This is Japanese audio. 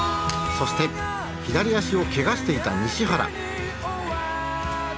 そして左足をけがしていた西原。